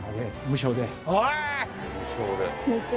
無償で。